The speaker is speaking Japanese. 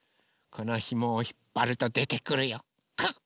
このひもをひっぱるとでてくるよ。